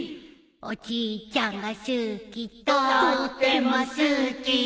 「おじいちゃんが好き」「とっても好き」